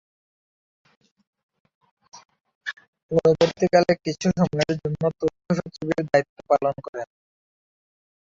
পরবর্তীকালে কিছু সময়ের জন্য তথ্য সচিবের দায়িত্ব পালন করেন।